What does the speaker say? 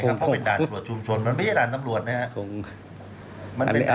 คงเป็นด่านตรวจชุมชนมันไม่ใช่ด่านตำรวจนะครับ